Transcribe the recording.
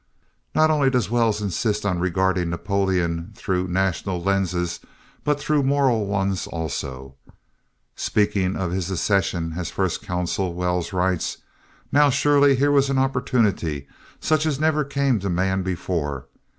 Not only does Wells insist on regarding Napoleon through national lenses but through moral ones also. Speaking of his accession as First Consul, Wells writes: "Now surely here was opportunity such as never came to man before.